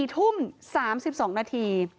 ๔ทุ่ม๓๒นาที